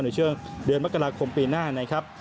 ในช่วงเดือนมกราคมปีหน้านะครับ